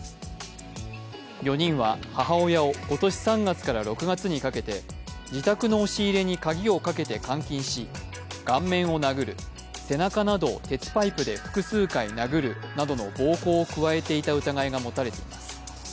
４人は母親を今年３月から６月にかけて自宅の押し入れに鍵をかけて監禁し、顔面を殴る、背中などを鉄パイプで複数回殴るなどの暴行を加えていた疑いが持たれています。